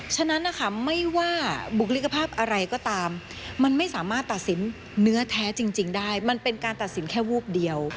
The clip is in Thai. ฉะนั้นนะคะไม่ว่าบุคลิกภาพอะไรก็ตามมันไม่สามารถตัดสินเนื้อแท้จริงได้มันเป็นการตัดสินแค่วูบเดียว